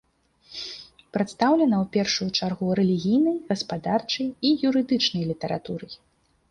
Прадстаўлена ў першую чаргу рэлігійнай, гаспадарчай і юрыдычнай літаратурай.